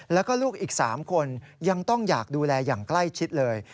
แล้วก็ลูกอีก๓คนยังต้องอยากดูแลอย่างใกล้ชิดเลย